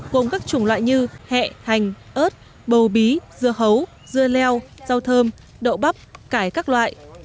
gồm các chủng loại như hẹn hành ớt bầu bí dưa hấu dưa leo rau thơm đậu bắp cải các loại